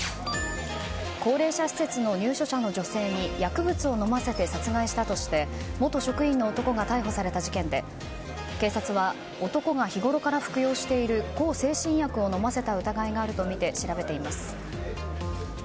高齢者施設の入居者の女性に薬物を飲ませて殺害したとして元職員の男が逮捕された事件で警察は、男が日ごろから服用している向精神薬を飲ませた疑いがあるとみて調べています。